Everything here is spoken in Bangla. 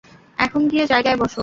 এখন গিয়ে জায়গায় বসো।